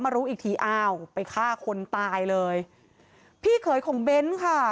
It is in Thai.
รู้อีกทีอ้าวไปฆ่าคนตายเลยพี่เขยของเบ้นค่ะ